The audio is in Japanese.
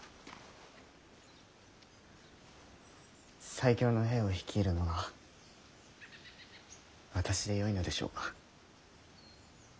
最強の兵を率いるのが私でよいのでしょうか。